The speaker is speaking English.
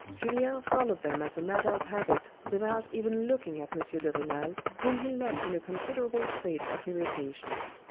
Julien followed them as a matter of habit without even looking at M. de Renal whom he left in a considerable state of irritation.